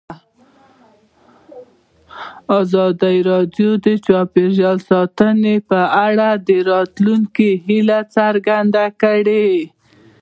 ازادي راډیو د چاپیریال ساتنه په اړه د راتلونکي هیلې څرګندې کړې.